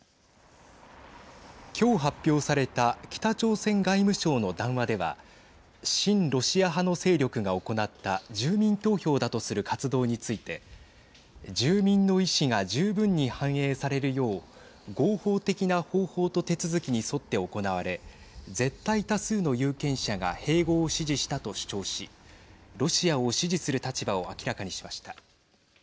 今日発表された北朝鮮外務省の談話では親ロシア派の勢力が行った住民投票だとする活動について住民の意思が十分に反映されるよう合法的な方法と手続きに沿って行われ絶対多数の有権者が併合を支持したと主張しロシアを支持する立場を明らかにしました。